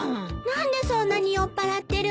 何でそんなに酔っぱらってるの？